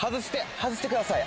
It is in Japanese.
外してください。